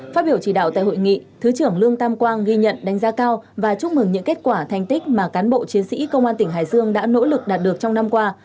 phát biểu chỉ đạo tại hội nghị thứ trưởng lương tam quang ghi nhận đánh giá cao và chúc mừng những kết quả thành tích mà cán bộ chiến sĩ công an tỉnh hải dương đã nỗ lực đạt được trong năm qua